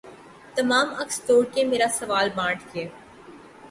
تمام عکس توڑ کے مرا سوال بانٹ کے